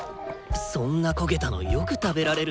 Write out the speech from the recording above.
そんな焦げたのよく食べられるな。